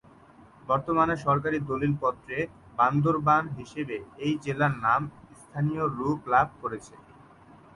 বর্তমানে সরকারি দলিল পত্রে বান্দরবান হিসাবে এই জেলার নাম স্থায়ী রুপ লাভ করেছে।